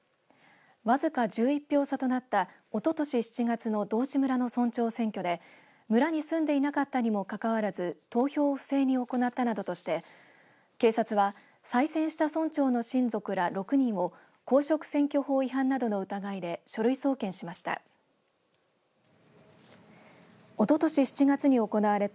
僅か１１票差となったおととし７月の道志村の村長選挙で村に住んでいなかったにもかかわらず投票を不正に行ったなどとして警察は再選した村長の親族ら６人を公職選挙法違反などの疑いで書類送検しました。